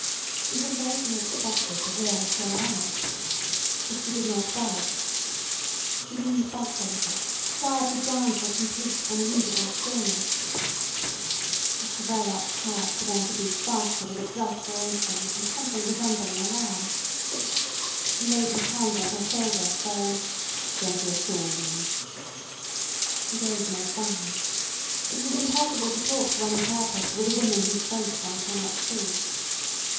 He had vaguely expected to hear her cry out. But she did not budge. She leaned back a little, quieted down to a complete unreadable stillness. Mr Verloc's heart began to beat faster with exasperation and something resembling alarm. He laid his hand on her shoulder, saying: "Don't be a fool, Winnie." She gave no sign. It was impossible to talk to any purpose with a woman whose face one cannot see.